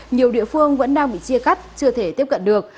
nhiều địa phương vẫn đang bị chia cắt chưa thể tiếp cận được